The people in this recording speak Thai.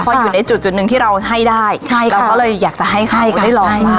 พออยู่ในจุดจุดหนึ่งที่เราให้ได้ใช่ค่ะแล้วก็เลยอยากจะให้เขาได้รอบร้านใช่ค่ะ